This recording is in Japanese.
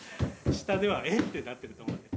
下では「え！」ってなってると思うよ。